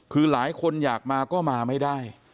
คือหลายคนอยากมาก็มาไม่ได้